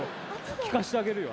聴かせてあげるよ